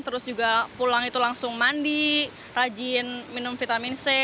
terus juga pulang itu langsung mandi rajin minum vitamin c